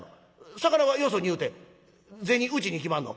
魚はよそに言うて銭うちに来まんの？